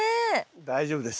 大丈夫です。